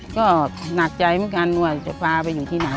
ก็หนักใจเหมือนกันว่าจะพาไปอยู่ที่ไหน